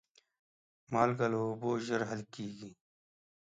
مالګه له اوبو ژر حل کېږي.